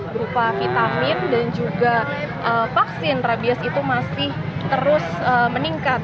berupa vitamin dan juga vaksin rabies itu masih terus meningkat